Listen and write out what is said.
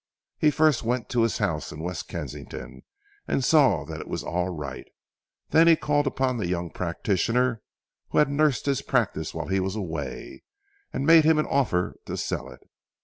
He first went to his house in West Kensington, and saw that it was all right. Then he called upon the young practitioner who had nursed his practice while he was away, and made him an offer to sell it.